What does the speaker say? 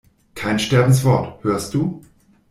Kein Sterbenswort, hörst du?